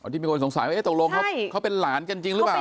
ที่มีคนสงสัยว่าตกลงเขาเป็นหลานกันจริงหรือเปล่า